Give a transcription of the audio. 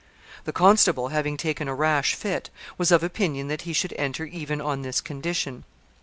The constable, having taken a rash fit, was of opinion that he should enter even on this condition.